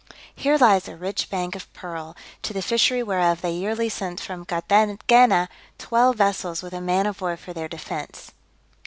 Here lies a rich bank of pearl, to the fishery whereof they yearly sent from Carthagena twelve vessels with a man of war for their defence.